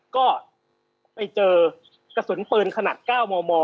ก็ไปเจอกระสุนปืนขนาด๙มม